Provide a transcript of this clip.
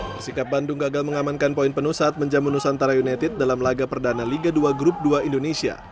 persikap bandung gagal mengamankan poin penuh saat menjamu nusantara united dalam laga perdana liga dua grup dua indonesia